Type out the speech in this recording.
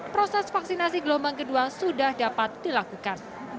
proses vaksinasi gelombang kedua sudah dapat dilakukan